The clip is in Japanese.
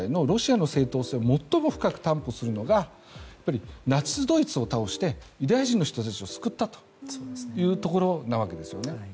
ロシアの正当性を最も深く担保するのがナチスドイツを倒してユダヤ人の人たちを救ったというところなわけですよね。